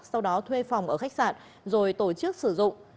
sau đó thuê phòng ở khách sạn rồi tổ chức sử dụng